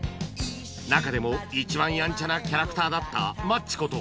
中でも一番やんちゃなキャラクターだったマッチこと